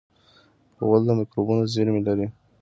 غول د مکروبونو زېرمې لري.